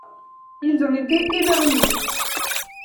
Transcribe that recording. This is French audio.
Ils en étaient éberlués.